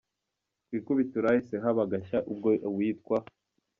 Ku ikubitiro hahise haba agashya ubwo uwitwa.